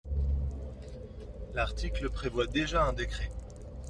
L’article prévoit déjà un décret.